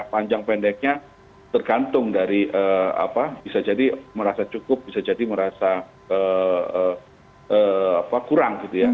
panjang pendeknya tergantung dari bisa jadi merasa cukup bisa jadi merasa kurang